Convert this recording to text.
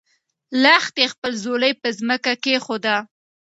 لښتې خپله ځولۍ په ځمکه کېښوده.